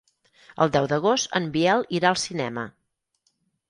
El deu d'agost en Biel irà al cinema.